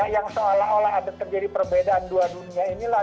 yang seolah olah ada terjadi perbedaan dua dunia inilah